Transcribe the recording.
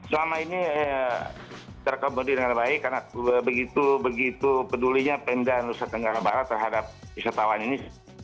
selama ini terakomodir dengan baik karena begitu pedulinya pendanaan lusa tenggara barat terhadap wisatawan ini